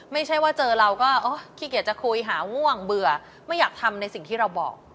ไม่ใช่ว่าเจอเราก็ขี้เกียจจะคุยหาง่วงเบื่อไม่อยากทำในสิ่งที่เราบอก